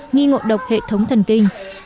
nghi ngộ độc hệ thống thần kinh